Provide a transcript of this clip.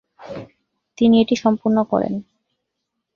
তিনি এটি সম্পূর্ণ করেন।